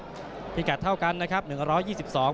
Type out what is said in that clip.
กระดูกจะเท่ากันนะครับ๑๒๒ครั้ง